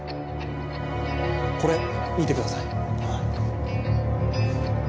これ見てください。